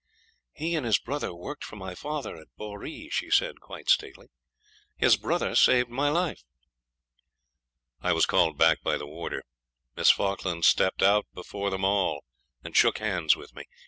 'He and his brother worked for my father at Boree,' she said, quite stately. 'His brother saved my life.' I was called back by the warder. Miss Falkland stepped out before them all, and shook hands with me.